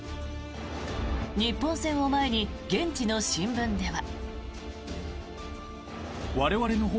日本戦を前に現地の新聞では。